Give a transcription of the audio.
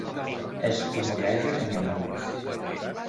Es rumoreja que n'hi haurà més.